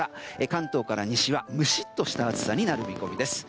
関東から西はムシッとした暑さになる見込みです。